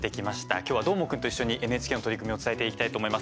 今日はどーもくんと一緒にＮＨＫの取り組みを伝えていきたいと思います。